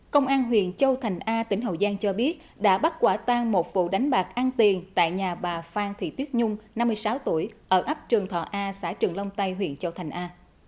công an huyện châu thành a tỉnh hậu giang cho biết đã bắt quả tan một vụ đánh bạc ăn tiền tại nhà bà phan thị tuyết nhung năm mươi sáu tuổi ở ấp trường thọ a xã trường long tây huyện châu thành a